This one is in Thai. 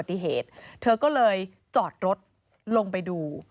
เราก็เลยจอดรถลงไปดู